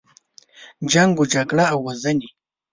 جنګ و جګړه او وژنې.